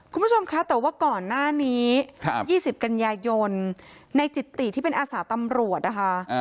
คุณผู้ชมคะแต่ว่าก่อนหน้านี้๒๐กันยายนในจิตติที่เป็นอาสาตำรวจนะคะ